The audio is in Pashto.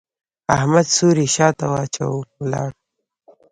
احمد څوری شا ته واچاوو؛ ولاړ.